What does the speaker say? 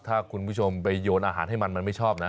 ถ้าคุณผู้ชมไปโยนอาหารให้มันมันไม่ชอบนะ